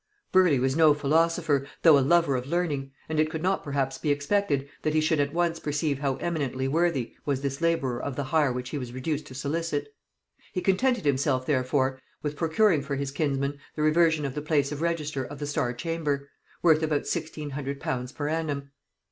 Burleigh was no philosopher, though a lover of learning, and it could not perhaps be expected that he should at once perceive how eminently worthy was this laborer of the hire which he was reduced to solicit. He contented himself therefore with procuring for his kinsman the reversion of the place of register of the Star chamber, worth about sixteen hundred pounds per annum.